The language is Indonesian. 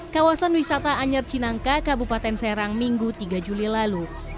kawasan wisata anyer cinangka kabupaten serang minggu tiga juli lalu